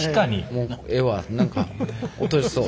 もうええわ何か落としそう。